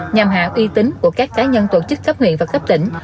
nhằm hạ uy tín của các cá nhân tổ chức cấp huyện và cấp tỉnh